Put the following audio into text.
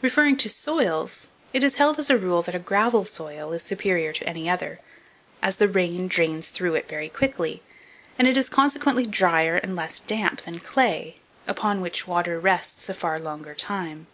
Referring to soils; it is held as a rule, that a gravel soil is superior to any other, as the rain drains through it very quickly, and it is consequently drier and less damp than clay, upon which water rests a far longer time.